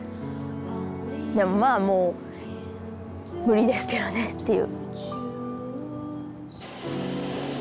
でもまあもう無理ですけどねっていう。